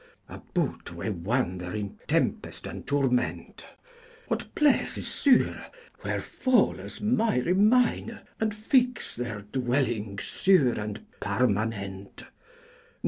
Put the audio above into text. About we wander in tempest and Tourment; What place is sure, where Foles may remayne And fyx theyr dwellynge sure and parmanent?